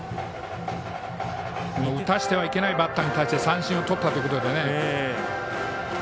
打たせてはいけないバッターに対して三振をとったということで。